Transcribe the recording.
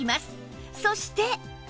そして